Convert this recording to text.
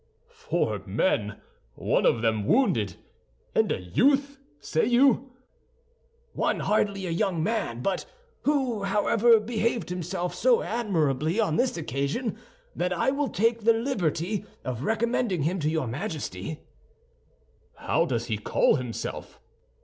"Four men, one of them wounded, and a youth, say you?" "One hardly a young man; but who, however, behaved himself so admirably on this occasion that I will take the liberty of recommending him to your Majesty." "How does he call himself?"